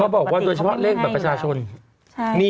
เขาบอกว่าตัวชีวะเลขแบบประชาชน